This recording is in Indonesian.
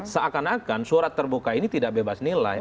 seakan akan surat terbuka ini tidak bebas nilai